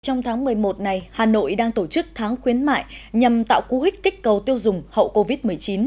trong tháng một mươi một này hà nội đang tổ chức tháng khuyến mại nhằm tạo cú hích kích cầu tiêu dùng hậu covid một mươi chín